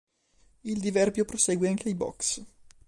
Il diverbio proseguì anche ai box.